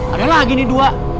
ada lagi nih dua